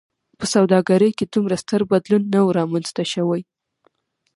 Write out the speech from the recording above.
په سوداګرۍ کې دومره ستر بدلون نه و رامنځته شوی.